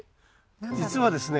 実はですね